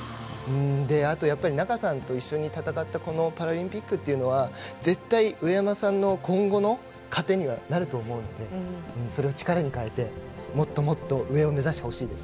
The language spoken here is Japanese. あとやっぱり仲さんと一緒に戦ったパラリンピックというのは絶対に上山さんの今後の糧にはなると思うのでそれを力に変えてもっともっと上を目指してほしいです。